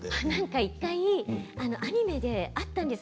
１回アニメであったんです。